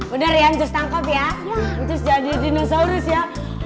udah ya ncus tangkap ya ncus jadi dinosaurus ya